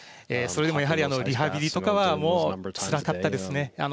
それでもリハビリとかはもうつらかったですね。